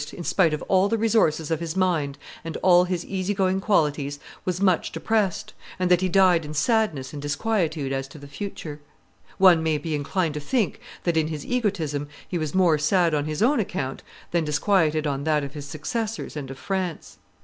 in spite of all the resources of his mind and all his easy going qualities, was much depressed, and that he died in sadness and disquietude as to the future. One may be inclined to think that, in his egotism, he was more sad on his own account than disquieted on that of his successors and of France.